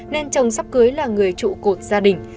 nên chồng sắp cưới là người trụ cột gia đình